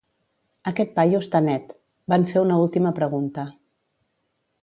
"Aquest paio està net". Van fer una última pregunta.